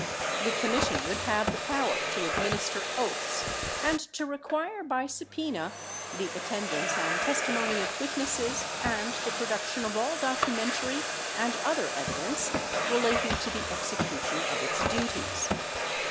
The Commission would have the power to administer oaths and to require by subpena the attendance and testimony of witnesses and the production of all documentary and other evidence relating to the execution of its duties.